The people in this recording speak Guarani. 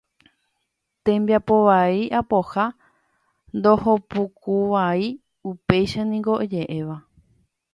Tembiapo vai apoha ndohopukúvai, upéicha niko oje'éva.